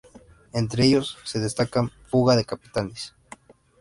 Entre ellos, se destacan: “Fuga de Capitales.